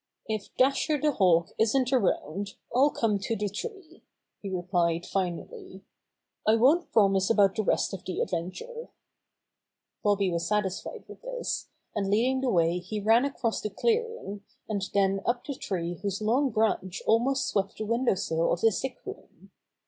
"If Dasher the Hawk isn't around, I'll come to the tree," he replied finally. "I won't promise about the rest of the adventure." Bobby was satisfied with this, and leading the way he ran across the clearing, and then up the tree whose long branch almost swept the window sill of the sick room.